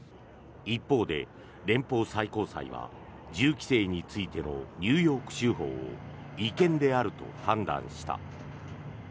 一方で、連邦最高裁は銃規制についてのニューヨーク州法を違憲であると判断した。